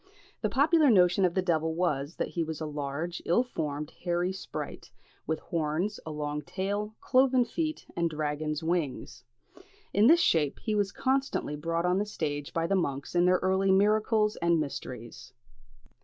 The popular notion of the devil was, that he was a large, ill formed, hairy sprite, with horns, a long tail, cloven feet, and dragon's wings. In this shape he was constantly brought on the stage by the monks in their early "miracles" and "mysteries."